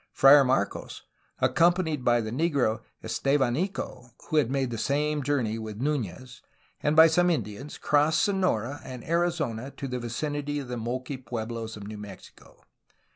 Friar Marcos, accompanied by the negro Estevanico (who had made the journey with Nunez) and by some Indians, crossed Sonora and Arizona to the vicinity of the Moqui pueblos of New Mexico.